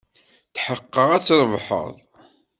Tḥeqqeɣ ad trebḥed.